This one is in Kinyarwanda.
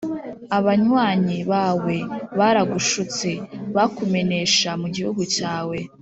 abanywanyi bawe baragushutse, bakumenesha mu gihugu cyawe!